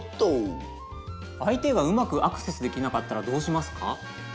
相手がうまくアクセスできなかったらどうしますか？